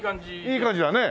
いい感じだね。